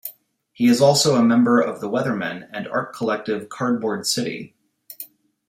He is also a member of The Weathermen and art collective Cardboard City.